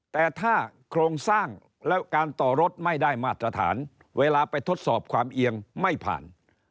แต่ถ้าโครงสร้างแล้วการต่อรถไม่ได้มาตรฐานเวลาไปทดสอบความเอียงไม่ผ่าน